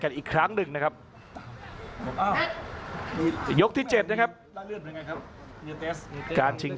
อัศวินาศาสตร์